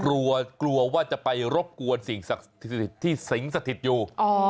กลัวกลัวว่าจะไปรบกวนสิ่งที่สิงสถิตอยู่